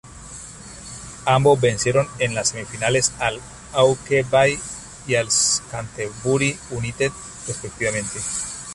Ambos vencieron en las semifinales al Hawke's Bay y al Canterbury United respectivamente.